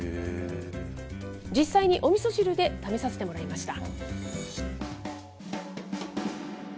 実際におみそ汁で試させてもらいました。